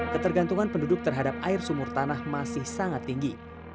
ketergantungan penduduk terhadap air sumur tanah masih sangat tinggi